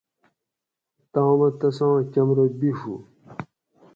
تامہ تساۤں کمرہ بیڛو